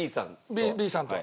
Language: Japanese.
Ｂさんとは？